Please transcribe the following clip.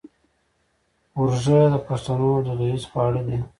ورږۀ د پښتنو دوديز خواړۀ دي